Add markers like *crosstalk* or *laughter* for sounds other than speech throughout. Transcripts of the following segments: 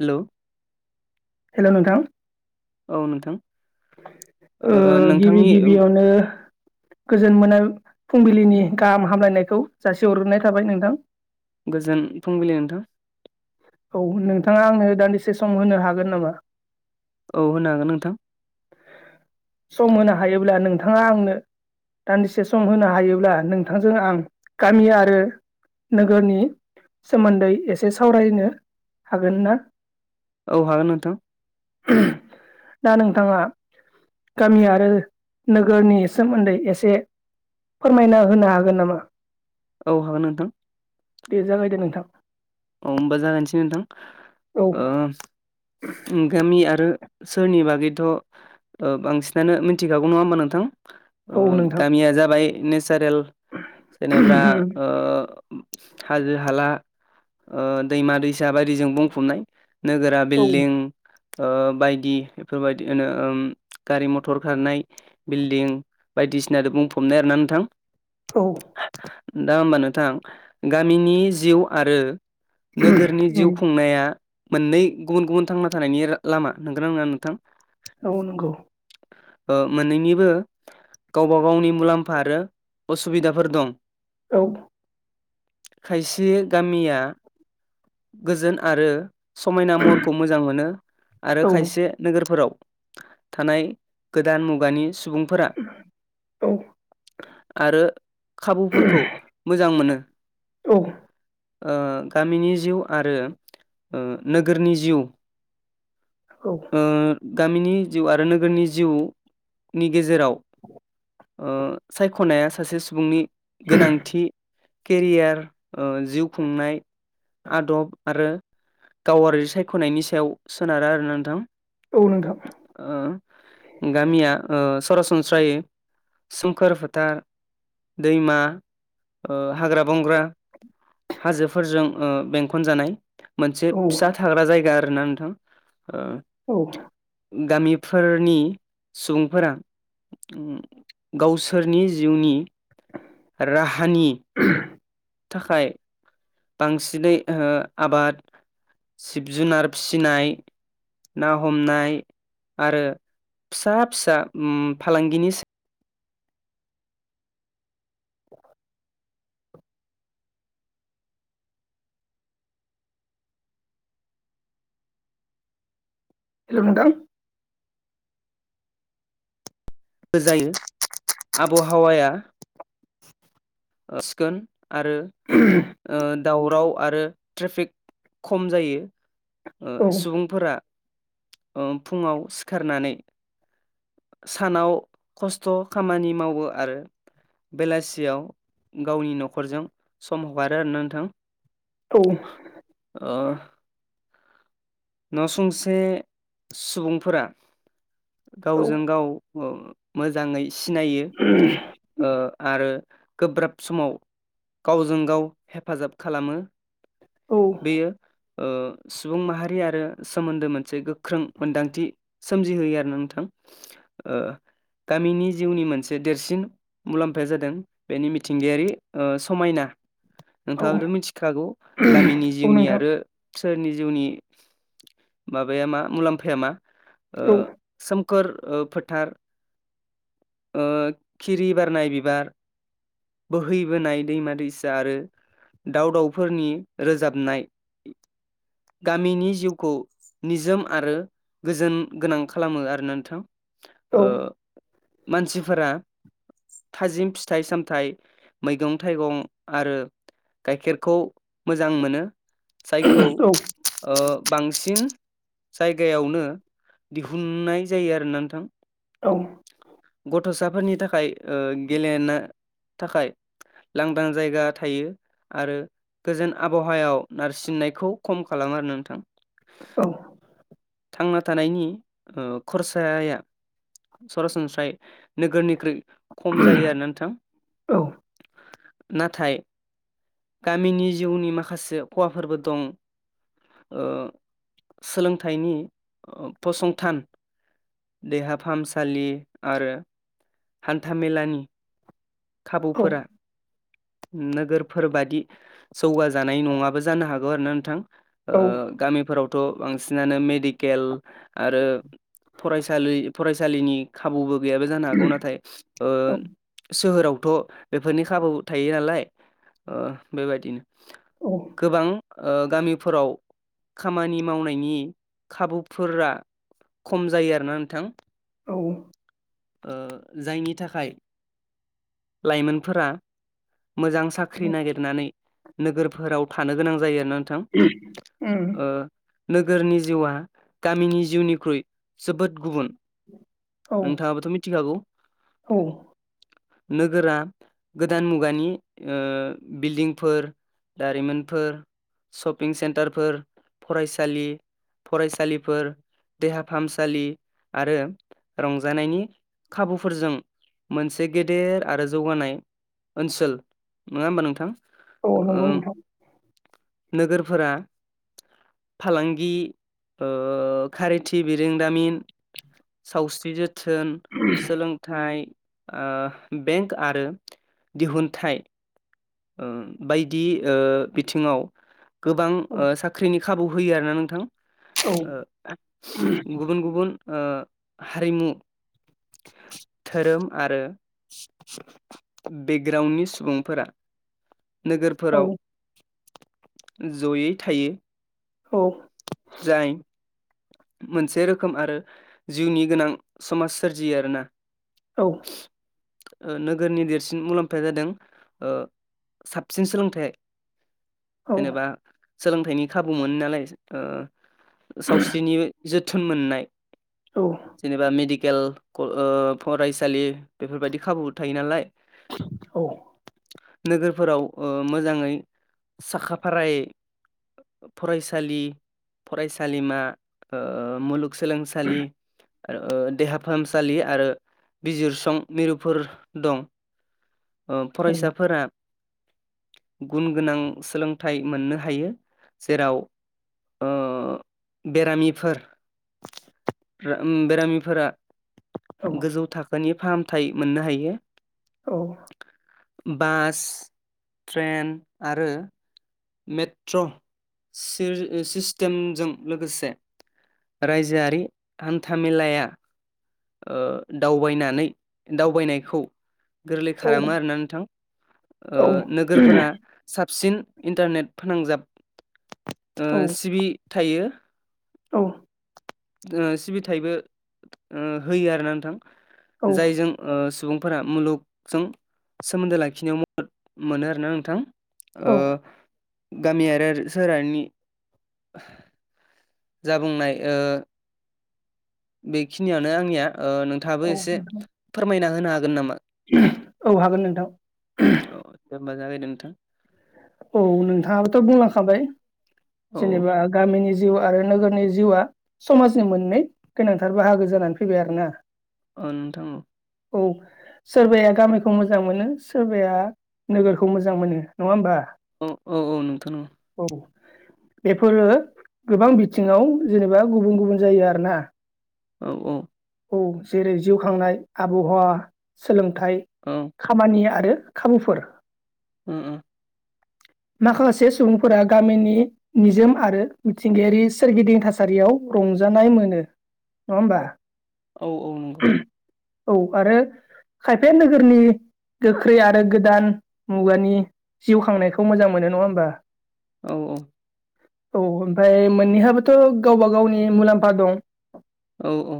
Hello hello नोंथां? औ नोंथां ओ गिबि गिबियावनो गोजोन मोना फुंबिलिनि गाहाम हामलायनायखौ जासिहरग्रोननाय थाबाय नोंथां। गोजोन फुंबिलि नोंथां। औ नोंथाङा आंनो दान्दिसे सम होनो हागोन नामा? औ होनो हागोन नोंथां। सम होनो हायोब्ला नोंथाङा आंनो दान्दिसे सम होनो हायोब्ला नोंथांजों आं गामि आरो नोगोरनि सोमोन्दै एसे सावरायनो हागोन ना? औ हागोन नोंथां। दा नोंथाङा गामि आरो नोगोरनि सोमोन्दै एसे फोरमायना होनो हागोन नामा? औ हागोन नोंथां दे जागाय दे नोंथां अ होमबा जागायनोसै नोंथां औ गामि आरो सोरनि बागैथ' बांसिनानो मिथिखागौ नङा होमबा नोंथां औ नोंथां गामिया जाबाय नेसारेल जेनेबा हाजो-हाला, दैमा-दैसा बायदिजों बुंफबनाय नोगोरा औ बिलदिं बायदि बेफोरबायदिनो गारि मथर खारनाय बिल्डिं बायदि दिसनादो बुंफबनाय आरो ना नोंथां औ दा होमबा नोंथां गामिनि जिउ आरो नोगोरनि जिउ उम खुंनाया मोननै गुबुन गुबुन थांना थानायनि लामा नोंगोना नङा नोंथां औ नंगौ मोननैनिबो गावबा गावनि मुलाम्फा आरो असुबिदाफोर दं औ खायसे गामिया गोजोन आरो समायना महरखौ मोजां मोनो आरो औ खायसे नोगोरफोराव थानाय गोदान मुगानि सुबुंफोरा औ आरो खाबुफोरखौ मोजां मोनो औ ओ गामिनि जिउ आरो ओ नोगोरनि जिउ औ ओ गामिनि जिउ आरो नोगोरनि जिउ नि गेजेराव *inaudible* ओ सायख'नाया सासे सुबुंनि गोनांथि केरियार ओ जिउ खुंनाय आदब आरो गावारि सायख'नायनि सायाव सोनारा आरोना नोंथां औ नोंथां ओ गामिया ओ सरासनस्रायै सोमखोर फोथार दैमा ओ हाग्रा बंग्रा हाजोफोरजों ओ बेंखन जानाय मोनसे औ फिसा थाग्रा जायगा आरोना नोंथां औ *inaudible* गामिफोरनि सुबुंफोरा गावसोरनि जिउनि राहानि थाखाय बांसिनै हो आबाद जिब जुनार फिनाय ना हमनाय आरो फिसा फिसा ओम फालांगिनि हेल' नोंथां होजायो आब' हावाया सिखोन आरो ओ दावराव आरो ट्रेफिक खम जायो औ सुबुंफोरा ओ फुङाव सिखारनानै सानाव खस्थ' खामानि मावो आरो बेलासियाव गावनि न'खरजों सम हगारो आरोना नोंथां औ अ न' संसे सुबुंफोरा औ गावजों गाव मोजाङै सिनायो ओ आरो गोब्राब समाव गावजों गाव हेफाजाब खालामो बेयो ओ सुबुं माहारि आ *unintelligible* सोमोन्दो मोनसे गोख्रों मोन्दांथि सोमजिहोयो आरोना नोंथां ओ गामिनि जिउनि मोनसे देरसिन मुलाम्फाया जादों बेनि मिथिंगायारि ओ समायना नोंथाङाबोथ' मिथिखागौ गामिनि औ जिउनि नोंथां आरो सोहेरनि जिउनि माबाया मा मुलाम्फाया मा ओ औ औ सोमखोर ओ फोथार ओ खिरि बारनाय बिबार बोहैबोनाय दैमा दैसा आरो दाव दावउफोरनि रोजाबनाय गामिनि जिउखौ निजोम आरो गोजोन गोनां खालामो आरोना नोंथां। ओ मानसिफोरा थाजिम फिथाइ सामथायाइ मैगं थाइगं आरो गाइखेरखौ मोजां मोनो जायखौ ओ बांसिन जायगायावनो दिहुननाय जायो आरोना नोंथां। औ गथसाफोरनि थाखाय ओ गेलेनो थाखाय लांदां जायगा थायो आरो गोजोन आबहावायाव नारसिननायखौ खम खाला *unintelligible* नोंथां औ थांना थानायनि ओ खरसाया सरासनस्रायै नोगोरनिख्रुइ खम जायो आरोना नोंथां औ नाथाय गामिनि जिउनि माखासे खहाफोरबो दं ओ सोलोंथाइनि फसंथान देहा फाहामसालि आरो हान्थामेलानि खाबुफोरा नोगोरफोर बादि जौगाजानाय नङाबो जानो हागौ आरो ना नोंथां। गामिफोरावथ बांसिनानो मेडिकेल आरो फरायसालि फरायसालिनि खाबुबो गैयाबो जानो हागौ नाथाय सोहोरावथ बेफोरनि खाबु थायो नालाय ओ बेबायदिनो गोबां ओ गामिफोराव खामानि मावनायनि खाबुफोरा खम जायो आरो ना नोंथां। औ। ओ जायनि थाखाय लाइमोनफोरा मोजां साख्रि नागिरनानै नोगोरफोराव थानो गोनां जायो आरो ना नोंथां ओ नोगोरनि जिउआ गामिनि जिउनिख्रुइ जोबोद गुबुन औ नोंथाङाबोथ‌ मिथिखागौ। औ। नोगोरा गोदान मुगानि बिल्डिंफोर दारिमिनफोर शपिं सेन्टारफोर फरायसालि‌ फरायसालिफोर देहा फाहामसालि आरो‌ रंजानायनि खाबुफोरजों मोनसे गेदेर आरो जौगानाय ओनसोल नङा होमबा नोंथां? औ ओ नोंगौ नोंथां। नोगोरफोरा फालांगि ओ खारिथि बिरोंदामिन सावस्रि जोथोन सोलोंथाइ बेंक आरो दिहुनथाइ ओ बायदि ओ बिथिङाव गोबां औ ओ साख्रिनि खाबु होयो आरो ना नोंथां। औ ओ गुबुन गुबुन ओ हारिमु धोरोम आरो बेकग्राउणडनि सुबुंफोरा औ नोगोरफोराव जयै थायो। औ जाय मोनसे रोखोम आरो जिउनि गोनां समाज सोरजियो आरो ना। औ। ओ नोगोरनि देरसिन मुलाम्फाया जादों। साबसिन सोलोंथाइ। जेनेबा सोलोंथाइनि खाबु मोनो नालाय ओ सावस्रिनि जोथोन। बिथोन मोननाय जेनेबा मेडिकेल ओ फरायसालि। बेफोरबायदि खाबु थायो नालाय। औ नोगोरफोराव मोजाङै साखाफारायै। फरायसालि, फरायसालिमा, ओ मुलुगसोलोंसालि। *unintelligible* देहा फाहामसालि आरो बिजिरसं मिरुफोर दं। ओ फरायसाफोरा। गुन गोनां सोलोंथाइ मोननो हायो जेराव। ओ बेरामिफोर। बेरामिफोरा गोजौ थाखोनि फाहामथाय मोननो हायो। औ। बास, ट्रेन आरो मेट्र' सिस-सिस्टेमजों लोगोसे रायजोआरि हान्थामेेलाया। ओ दावबायनानै दावबायनायखौ गोरलै औ खालामो आरोना नोंथां। ओ औ नोगोरफोरा साबसिन इन्टारनेट फोनांजाब ओ सिबि थायो। औ। सिबिथायबो ओ होयो आरोना नोंथां औ जायजों ओ सुबुं *unintelligible* मुलुगजों सोमोन्दो लाखिनायाव मदद मोनो आरोना नोंथां। औ ओ गामियारि सोहोरानि जा बुंनाय ओ बेखिनियानो आंनिया ओ नोंथाङाबो औ एसे नोंथां फोरमाय ना होनो हागोन नामा? औ हागोन नोंथां। औ दे होमबा जागायदो नोंथां। औ नोंथाङाबोथ' बुंलांखाबाय औ जेनेबा गामिनि जिउ आरो नोगोरनि जिउआ समाजनि मोननै गोनांथार बाहागो जानानै फैबाय आरोना। अ नोंथां औ औ सोरबाया गामिखौ मोजां मोनो सोरबाया नोगोरखौ मोजां मोनो नङा होमबा? औ औ औ नोंथां नंगौ। औ बेफोरो गोबां बिथिङाव जेनेबा गुबुन -गुबुन जायो आरोना। औ औ। औ जेरै जिउ खांनाय आबहावा सोलोंथाइ औ खामानि आरो खाबुफोर उम उम। माखासे सुबुंफोरा गामिनि निजोम आरो मिथिंगायारि सोरगिदिं थासारियाव रंजानाय मोनो नङा होमबा? औ औ नंगौ। औ आरो खायफाया नोगोरनि गोख्रै आरो गोदान मुगानि जिउ खांनाय *unintelligible* मोजां मोनो नङा होमबा? औ औ। औ ओमफ्राय मोननैहाबोथ' गावबा गावनि मुलाम्फा दं। औ औ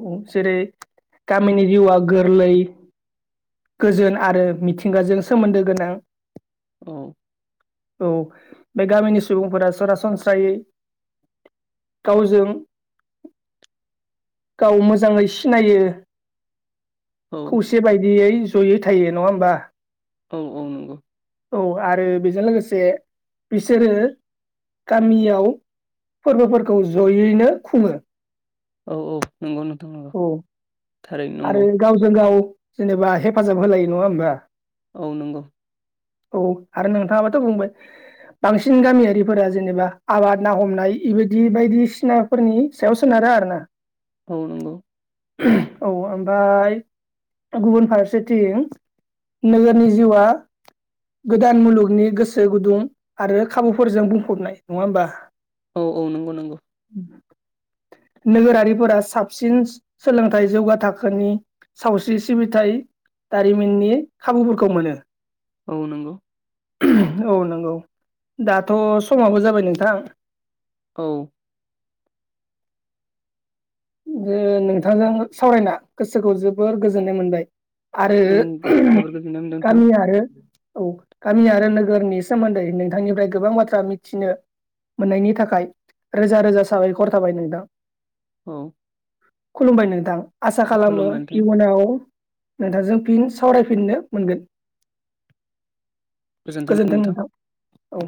औ जेरै गामिनि जिउआ गोरलै गोजोन आरो मिथिंगाजों सोमोन्दो गोनां। औ औ बे गामिनि सुबुंफोरा सरासनस्रायै गावजों गाव मोजाङै सिनायो। खौसे बायदियै जयै थायो नङा होमबा? औ औ नंगौ। औ आरो बेजों लोगोसे बिसोरो गामियाव फोरबोफोरखौ जयैनो खुङो। औ औ नंगौ नोंथां नंगौ औ थारैनो आरो नंगौ गावजों गाव जेनेबा हेफाजाब होलायो नङा होमबा? औ नंगौ। औ आरो नोंथाङाबोथ' बुंबाय बांसिन गामियारिफोरा जेनेबा आबाद ना हमनाय बेबायदि बायदिसिनाफोरनि सायाव सोनारो आरो ना। औ नोंगौ औ ओमफ्राय गुबुन फारसेथिं नोगोरनि जिउआ गोदान मुलुगनि गोसो गुदुं आरो खाबुफोरजों बुंफबनाय नङा होमबा औ औ नंगौ नंगौ नोगोरारिफोरा साबसिन सोलोंथाइ जौगा थाखोनि सावस्रि सिबिथाय दारिमिननि खाबुफोरखौ मोनो औ नंगौ औ नंगौ दाथ' समाबो जाबाय नोंथां औ ओ नोंथांजों सावरायना गोसोखौ जोबोर गोजोननाय मोनबाय आरो ओं जोबोर गोजोननाय मोनदों नोंथां गामि आरो औ गामि आरो नोगोरनि सोमोन्दै नोंथांनिफ्राय गोबां बाथ्रा मिथिनो मोननायनि थाखाय रोजा रोजा साबायखर थाबाय नोंथां औ खुलुमबाय नोंथां आसा खालामो खुलुमबाय नोंथां इयुनाव नोंथांजों फिन सावरायफिननो मोनगोन गोजोनथों नोंथां औ